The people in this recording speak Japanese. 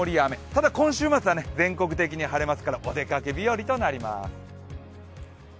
ただ、今週末は全国的に晴れますから、お出かけ日和となります。